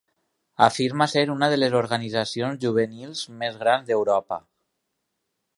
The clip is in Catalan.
Afirma ser una de les organitzacions juvenils més grans d'Europa.